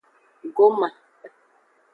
Goma.